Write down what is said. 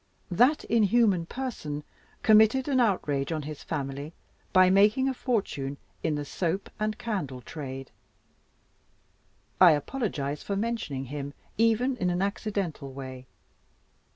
That inhuman person committed an outrage on his family by making a fortune in the soap and candle trade. I apologize for mentioning him, even in an accidental way.